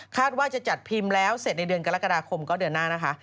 ว่าจะจัดพิมพ์แล้วเสร็จในเดือนกรกฎาคมก็เดือนหน้านะคะ